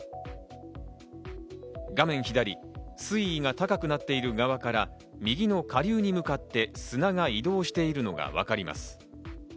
画面左、水位が高くなっている側から右の下流に向かって砂が移動しているのがわかります。